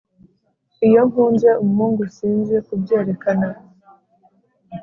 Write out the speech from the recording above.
Iyo nkunze umuhungu sinzi kubyerekana